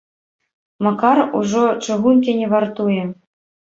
Макар ужо чыгункі не вартуе.